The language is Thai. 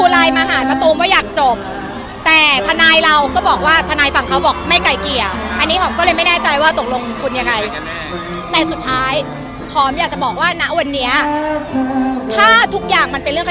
แล้วก็ไม่วางบอมใส่กันแล้ว